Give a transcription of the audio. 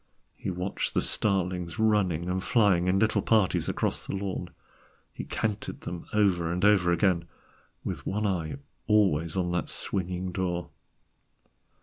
He watched the starlings running and flying in little parties across the lawn; he counted them over and over again, with one eye always on that swinging door.